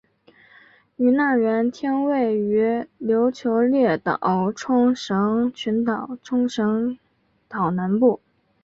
与那原町位于琉球列岛冲绳群岛冲绳岛南部。